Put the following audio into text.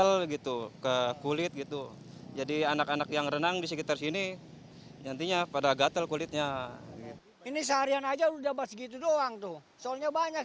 soalnya pengaruh ini sih limbah